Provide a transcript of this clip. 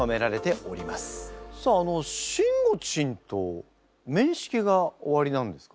さあしんごちんと面識がおありなんですか？